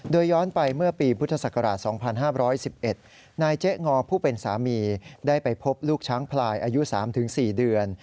โดยย้อนไปเมื่อปีพุทธศักราช๒๕๑๑นายเจ๊งอผู้เป็นสามีได้ไปพบลูกช้างพลายอายุ๓๔เดือน